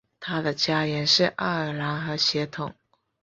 他的家人是爱尔兰和血统。